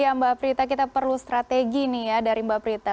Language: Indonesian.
ya mbak prita kita perlu strategi nih ya dari mbak prita